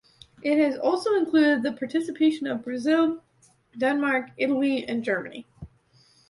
It has also included the participation of Brazil, Denmark, Italy and Germany.